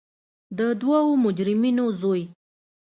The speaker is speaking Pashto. د دوو مجرمینو زوی.